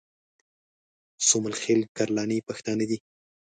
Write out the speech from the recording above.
سومل خېل کرلاني پښتانه دي